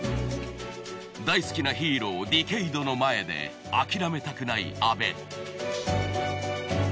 大好きなヒーローディケイドの前で諦めたくない阿部。